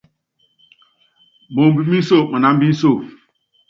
Moomb mí nso manámb inso.